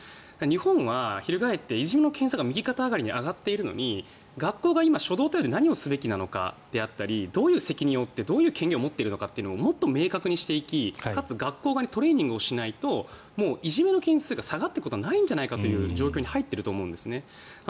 日本は、翻っていじめの件数が右肩上がりに上がっているのに学校が今、初動対応で何をすべきかどういう責任を負ってどういう権限を持っているのかをもっと明確にして学校側をトレーニングしないといじめの件数が下がっていくことはないんじゃないかという状況に入っているんだと思うんですね。